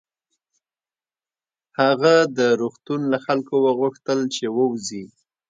هغه د روغتون له خلکو وغوښتل چې ووځي